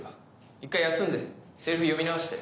一回休んでセリフ読み直して。